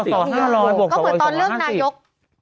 ก็เหมือนตอนเลือกนายก